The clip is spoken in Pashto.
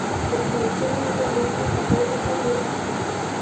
د شوتلې اوبه د وینې پاکولو لپاره وڅښئ